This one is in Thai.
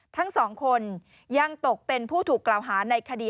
ทั้งสองคนยังตกเป็นผู้ถูกกล่าวหาในคดี